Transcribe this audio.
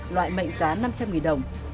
loại mệnh giá năm trăm linh nghìn đồng